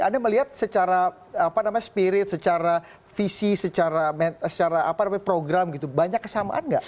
anda melihat secara apa namanya spirit secara visi secara program gitu banyak kesamaan gak